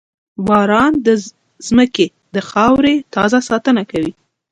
• باران د زمکې د خاورې تازه ساتنه کوي.